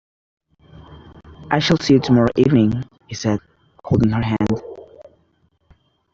"I shall see you tomorrow evening," he said, holding her hand.